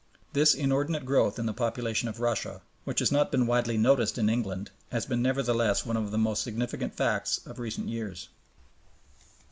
This inordinate growth in the population of Russia, which has not been widely noticed in England, has been nevertheless one of the most significant facts of recent years.